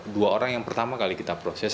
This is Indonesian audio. dua orang yang pertama kali kita proses